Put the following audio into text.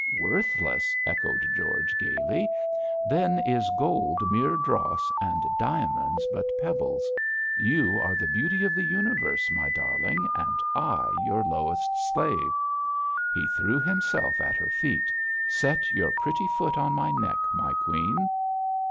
'Worthless!' echoed George, gaily; 'then is gold mere dross, and diamonds but pebbles. You are the beauty of the universe, my darling, and I your lowest slave.' He threw himself at her feet. 'Set your pretty foot on my neck, my queen!'